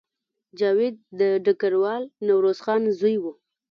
جاوید د ډګروال نوروز خان زوی و